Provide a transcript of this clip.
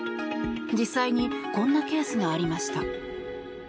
実際にこんなケースがありました。